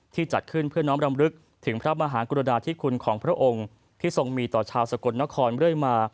จัดขึ้นเพื่อน้องรำลึกถึงพระมหากรุณาธิคุณของพระองค์ที่ทรงมีต่อชาวสกลนครเรื่อยมา